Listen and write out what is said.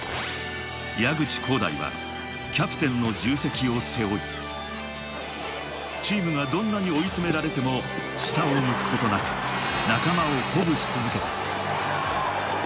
谷口航大はキャプテンの重責を背負い、チームがどんなに追い詰められても下を向くことなく、仲間を鼓舞し続けた。